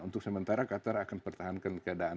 untuk sementara qatar akan pertahankan keadaan